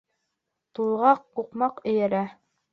Туйға туҡмаҡ эйәрә.